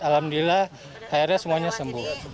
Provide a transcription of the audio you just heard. alhamdulillah akhirnya semuanya sembuh